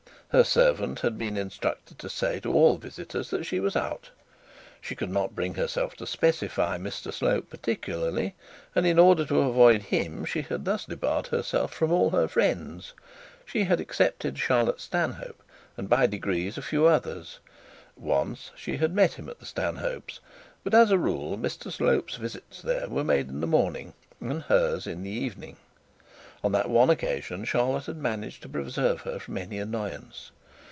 Her servants had been instructed to say to all visitors that she was out. She could not bring herself to specify Mr Slope particularly, and in order to order to avoid him she had thus debarred herself from all her friends. She had excepted Charlotte Stanhope, and, by degrees, a few others also. Once she had met him at the Stanhope's; but, as a rule, Mr Slope's visits there had been made in the morning, and hers in the evening. On that one occasion Charlotte had managed to preserve her from any annoyance.